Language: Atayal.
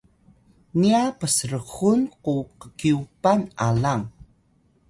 niya psrxun ku kkyupan alang